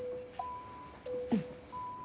うん。